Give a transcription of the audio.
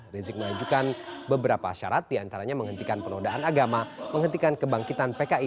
rizik mengajukan beberapa syarat diantaranya menghentikan penodaan agama menghentikan kebangkitan pki